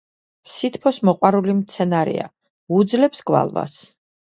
სითბოს მოყვარული მცენარეა, უძლებს გვალვას.